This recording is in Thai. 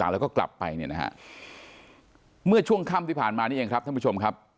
แล้วก็กลับไปเนี่ยนะฮะเมื่อช่วงค่ำที่ผ่านมานี่เองครับท่านผู้ชมครับ